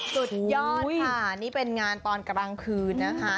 สุดยอดค่ะนี่เป็นงานตอนกลางคืนนะคะ